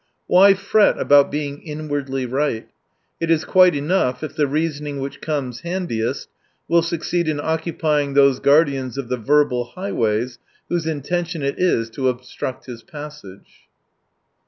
Why fret about being " inwardly right." It is quite enough if the reasoning which comes handiest will succeed in occupy ing those guardians of the verbal highways whose intention it is to obstruct his passage.